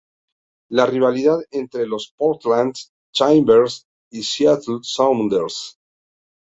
La Rivalidad entre los Portland Timbers y Seattle Sounders.